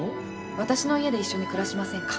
私の家で一緒に暮らしませんか？